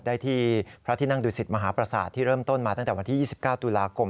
ได้ที่พระที่นั่งดูสิตมหาประสาทที่เริ่มต้นมาตั้งแต่วันที่๒๙ตุลาคม